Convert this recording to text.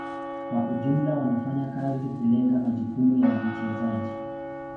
Kwa ujumla wanafanya kazi kulenga majukumu ya mchezaji.